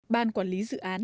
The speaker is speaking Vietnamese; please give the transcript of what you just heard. ban quản lý dự án